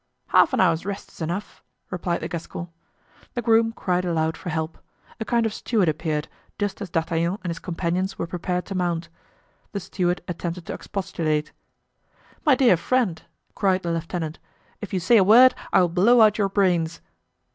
"Half an hour's rest is enough," replied the Gascon. The groom cried aloud for help. A kind of steward appeared, just as D'Artagnan and his companions were prepared to mount. The steward attempted to expostulate. "My dear friend," cried the lieutenant, "if you say a word I will blow out your brains."